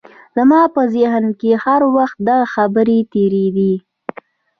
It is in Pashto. زما په ذهن کې هر وخت دغه خبرې تېرېدې